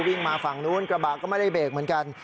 วิ่งมาฝั่งนู้นกระบะก็ไม่ได้เบรกเหมือนกัน